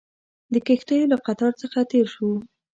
د کښتیو له قطار څخه تېر شوو.